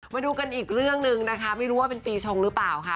มาดูกันอีกเรื่องหนึ่งนะคะไม่รู้ว่าเป็นปีชงหรือเปล่าค่ะ